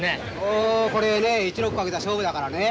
あこれね一六賭けた勝負だからね